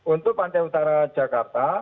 untuk pantai utara jakarta